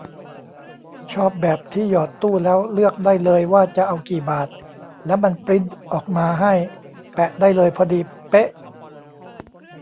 ชอบแบบที่หยอดตู้แล้วเลือกได้เลยว่าจะเอากี่บาท แล้วมันปรินท์ออกมาให้ แปะได้เลย พอดีเป๊ะ